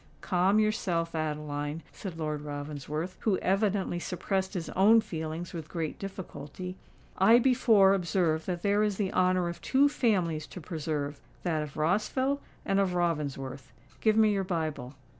"Calm yourself, Adeline," said Lord Ravensworth, who evidently suppressed his own feelings with great difficulty: "I before observed that there is the honour of two families to preserve—that of Rossville and of Ravensworth. Give me your Bible."